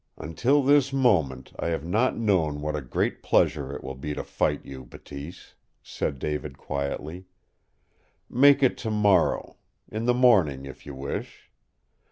"Until this moment I have not known what a great pleasure it will be to fight you, Bateese," said David quietly. "Make it tomorrow in the morning, if you wish.